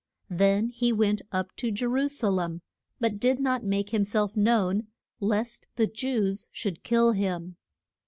Then he went up to Je ru sa lem, but did not make him self known lest the Jews should kill him.